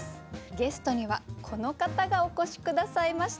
ゲストにはこの方がお越し下さいました。